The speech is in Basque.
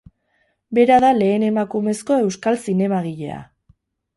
Bera da lehen emakumezko euskal zinemagilea.